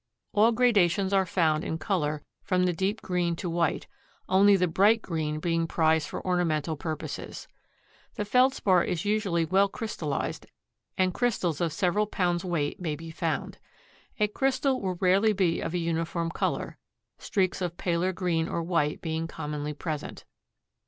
All gradations are found in color from the deep green to white, only the bright green being prized for ornamental purposes. The Feldspar is usually well crystallized and crystals of several pounds weight may be found. A crystal will rarely be of a uniform color, streaks of paler green or white being commonly present.